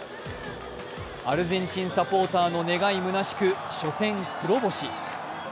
アルゼンチンサポーターの願いむなしく初戦黒星。